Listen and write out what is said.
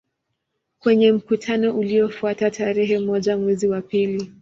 Kwenye mkutano uliofuata tarehe moja mwezi wa pili